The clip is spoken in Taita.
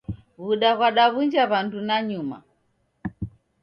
W'uda ghwadaw'unja w'andu nanyuma